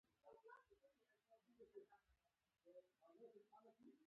د دښمنانو دښمن وو.